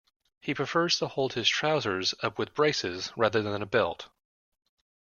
He prefers to hold his trousers up with braces rather than a belt